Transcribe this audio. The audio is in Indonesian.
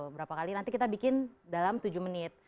berapa kali nanti kita bikin dalam tujuh menit